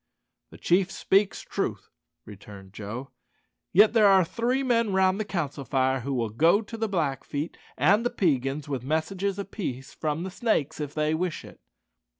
"The chief speaks truth," returned Joe; "yet there are three men round the council fire who will go to the Blackfeet and the Peigans with messages of peace from the Snakes if they wish it."